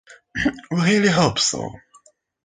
We really hope so.